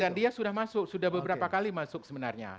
dan dia sudah masuk sudah beberapa kali masuk sebenarnya